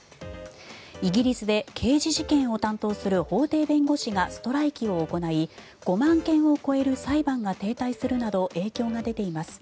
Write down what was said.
イギリスで刑事事件を担当する法廷弁護士がストライキを行い５万件を超える裁判が停滞するなど影響が出ています。